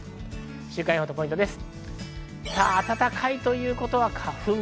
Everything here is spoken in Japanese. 週間予報とポイントです。